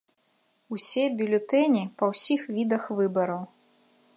Усе бюлетэні, па ўсіх відах выбараў.